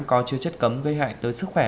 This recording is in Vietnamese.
có chứa chất cấm gây hại tới sức khỏe